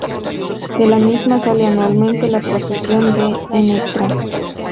De la misma sale anualmente la procesión de Ntra.